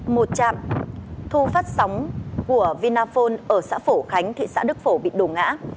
một trạm thu phát sóng của vinaphone ở xã phổ khánh thị xã đức phổ bị đổ ngã